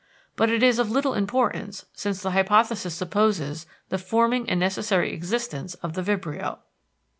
But it is of little importance since the hypothesis supposes the forming and necessary existence of the vibrio.